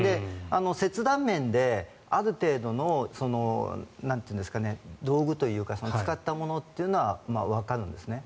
切断面である程度の道具というか使ったものというのはわかるんです。